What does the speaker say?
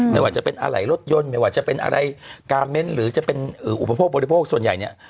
ไม่ว่าจะเป็นอะไรรถยนต์ไม่ว่าจะเป็นอะไรกาเมนต์หรือจะเป็นอุปโภคบริโภคส่วนใหญ่เนี่ย